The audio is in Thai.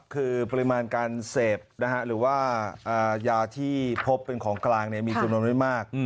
คือปริมาณการเสพหรือว่ายาที่พบเป็นของกลางมีจำนวนไม่มาก